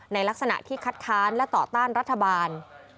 ในลักษณะที่คัดค้านและต่อต้านรัฐบาล